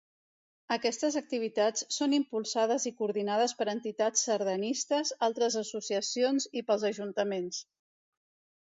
Aquestes activitats són impulsades i coordinades per entitats sardanistes, altres associacions i pels Ajuntaments.